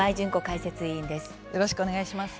よろしくお願いします。